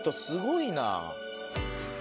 すごいな。